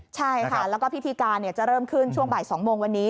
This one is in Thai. ใช่ค่ะแล้วก็พิธีการจะเริ่มขึ้นช่วงบ่าย๒โมงวันนี้